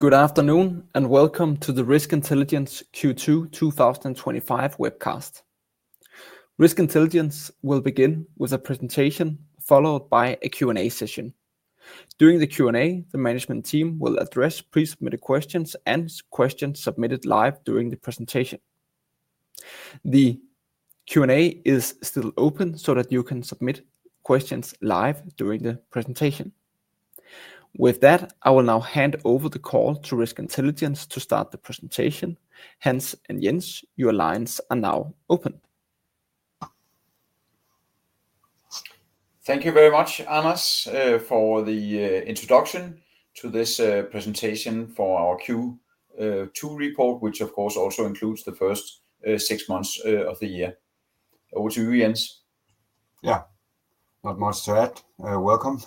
Good afternoon and welcome to the Risk Intelligence Q2 2025 Webcast. Risk Intelligence will begin with a presentation followed by a Q&A session. During the Q&A, the management team will address pre-submitted questions and questions submitted live during the presentation. The Q&A is still open so that you can submit questions live during the presentation. With that, I will now hand over the call to Risk Intelligence to start the presentation. Hans and Jens, your lines are now open. Thank you very much, Janus, for the introduction to this presentation for our Q2 report, which of course also includes the first six months of the year. Over to you, Jens. Yeah, not much to add. Welcome.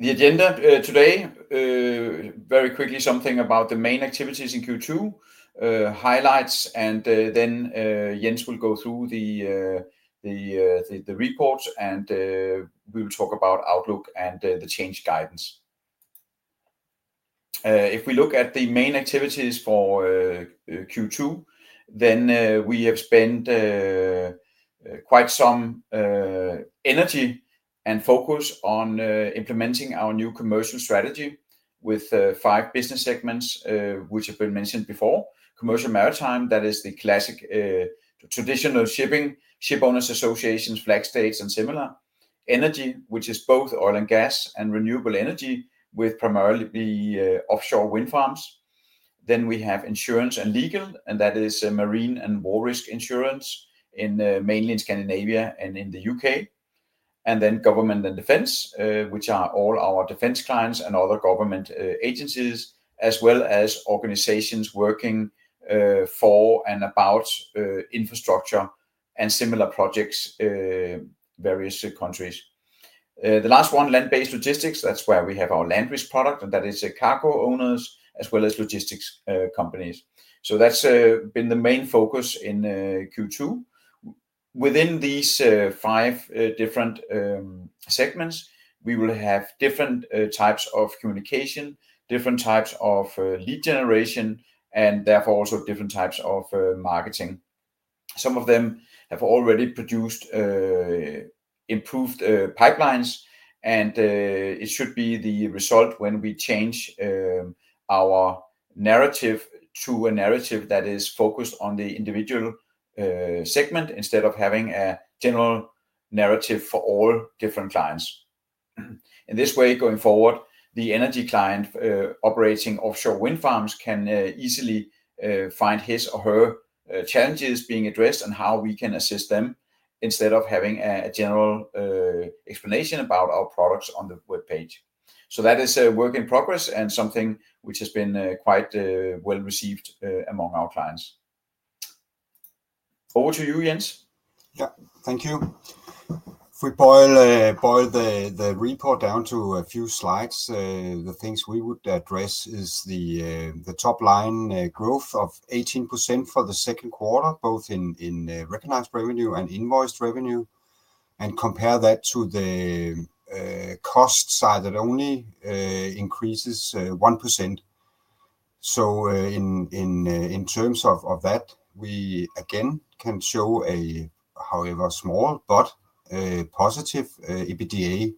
The agenda today, very quickly something about the main activities in Q2, highlights, and then Jens will go through the report and we will talk about Outlook and the change guidance. If we look at the main activities for Q2, we have spent quite some energy and focus on implementing our new commercial strategy with five business segments which have been mentioned before: commercial maritime, that is the classic traditional shipping, shipowners associations, flag states, and similar. Energy, which is both oil and gas and renewable energy, with primarily the offshore wind farms. We have insurance and legal, and that is marine and war risk insurance mainly in Scandinavia and in the UK. Government and defense, which are all our defense clients and other government agencies, as well as organizations working for and about infrastructure and similar projects in various countries. The last one, land-based logistics, that's where we have our land-based product, and that is the cargo owners as well as logistics companies. That's been the main focus in Q2. Within these five different segments, we will have different types of communication, different types of lead generation, and therefore also different types of marketing. Some of them have already produced improved pipelines, and it should be the result when we change our narrative to a narrative that is focused on the individual segment instead of having a general narrative for all different clients. In this way, going forward, the energy client operating offshore wind farms can easily find his or her challenges being addressed and how we can assist them instead of having a general explanation about our products on the web page. That is a work in progress and something which has been quite well received among our clients. Over to you, Jens. Yeah, thank you. If we boil the report down to a few slides, the things we would address are the top line growth of 18% for the second quarter, both in recognized revenue and invoiced revenue, and compare that to the cost side that only increases 1%. In terms of that, we again can show a however small but positive EBITDA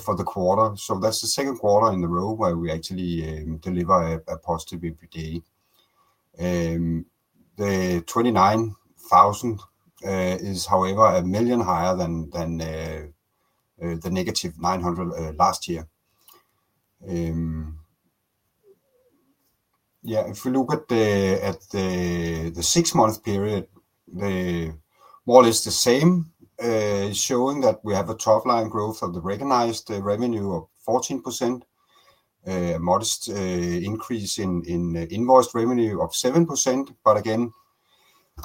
for the quarter. That's the second quarter in a row where we actually deliver a positive EBITDA. 29,000 is however a 1 million higher than the -900,000 last year. If we look at the six-month period, more or less the same, showing that we have a top line growth of the recognized revenue of 14%, a modest increase in invoiced revenue of 7%, but again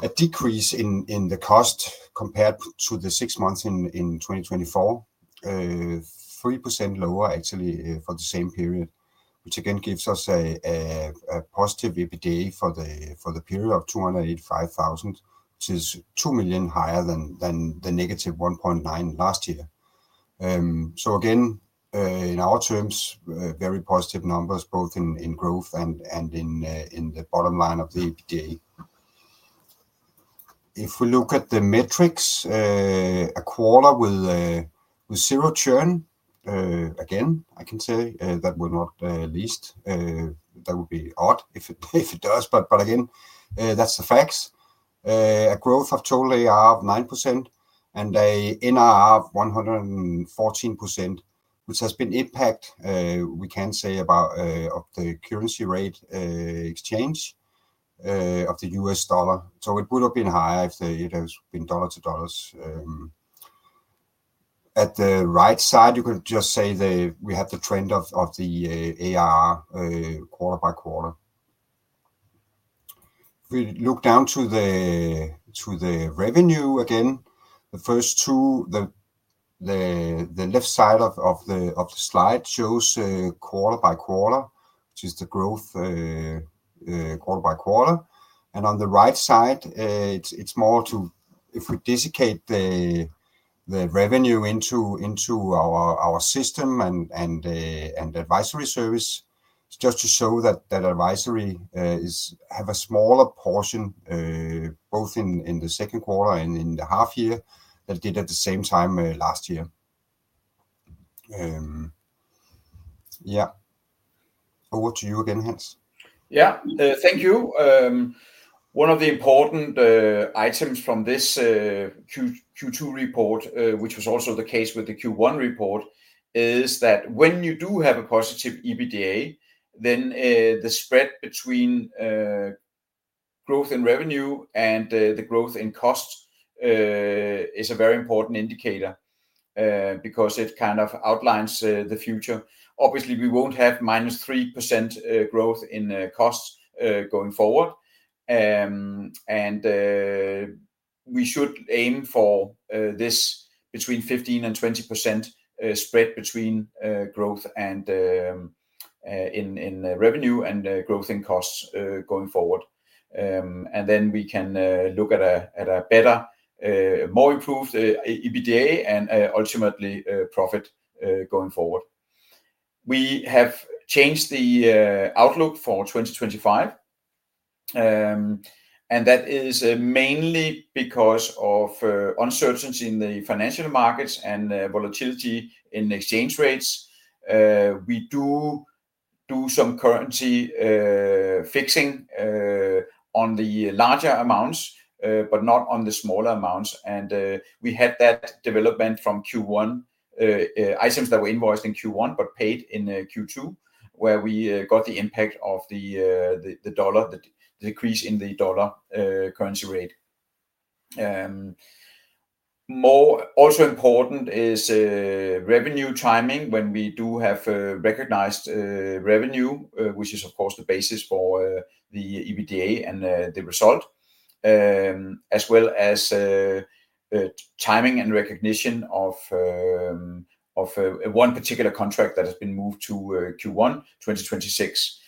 a decrease in the cost compared to the six months in 2024, 3% lower actually for the same period, which again gives us a positive EBITDA for the period of 285,000, which is 2 million higher than the -1.9 million last year. In our terms, very positive numbers both in growth and in the bottom line of the EBITDA. If we look at the metrics, a quarter with zero churn, again, I can tell you that will not least, that will be odd if it does, but again, that's the facts. A growth of total ARR of 9% and an NRR of 114%, which has been impacted, we can say about the currency rate exchange of the U.S. dollar. It would have been higher if it has been dollar to dollar. At the right side, you could just say that we have the trend of the ARR quarter by quarter. If we look down to the revenue again, the first two, the left side of the slide shows quarter by quarter, which is the growth quarter by quarter. On the right side, it's more to, if we dissecate the revenue into our system and advisory services, it's just to show that advisory has a smaller portion, both in the second quarter and in the half year than it did at the same time last year. Over to you again, Hans. Yeah, thank you. One of the important items from this Q2 report, which was also the case with the Q1 report, is that when you do have a positive EBITDA, the spread between growth in revenue and the growth in cost is a very important indicator because it kind of outlines the future. Obviously, we won't have -3% growth in cost going forward. We should aim for this between 15% and 20% spread between growth in revenue and growth in cost going forward. We can look at a better, more improved EBITDA and ultimately profit going forward. We have changed the outlook for 2025. That is mainly because of uncertainty in the financial markets and volatility in exchange rates. We do do some currency fixing on the larger amounts, but not on the smaller amounts. We had that development from Q1, items that were invoiced in Q1 but paid in Q2, where we got the impact of the U.S. dollar, the decrease in the U.S. dollar currency rate. More also important is revenue timing when we do have recognized revenue, which is of course the basis for the EBITDA and the result, as well as timing and recognition of one particular contract that has been moved to Q1 2026.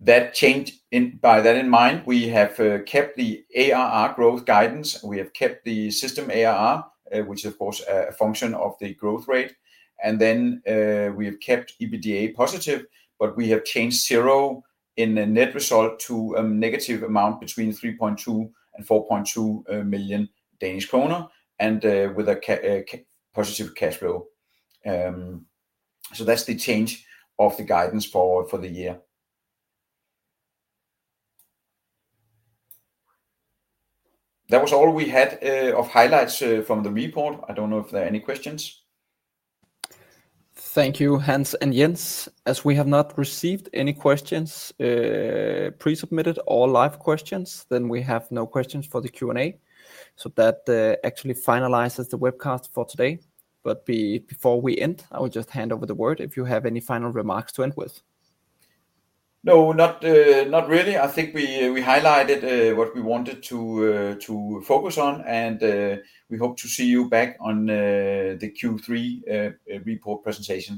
That changed by that in mind, we have kept the ARR growth guidance. We have kept the system ARR, which is of course a function of the growth rate. We have kept EBITDA positive, but we have changed zero in the net result to a negative amount between 3.2 million and 4.2 million Danish kroner and with a positive cash flow. That's the change of the guidance for the year. That was all we had of highlights from the report. I don't know if there are any questions. Thank you, Hans and Jens. As we have not received any questions, pre-submitted or live questions, we have no questions for the Q&A. That actually finalizes the webcast for today. Before we end, I will just hand over the word if you have any final remarks to end with. No, not really. I think we highlighted what we wanted to focus on, and we hope to see you back on the Q3 report presentation.